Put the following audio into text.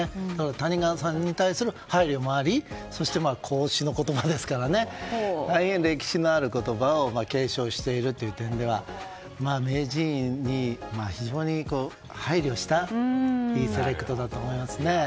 谷川さんに対する配慮もあり孔子の言葉ですからね大変歴史のある言葉を継承しているという点では名人に非常に配慮したいいセレクトだと思います。